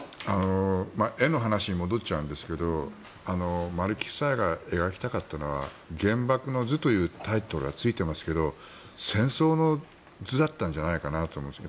絵の話に戻っちゃうんですけど丸木夫妻が描きたかったのは「原爆の図」というタイトルがついていますけど戦争の図だったんじゃないかなと思うんです。